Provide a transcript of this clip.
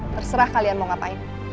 terserah kalian mau ngapain